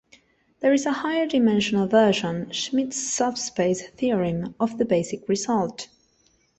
There is a higher-dimensional version, Schmidt's subspace theorem, of the basic result.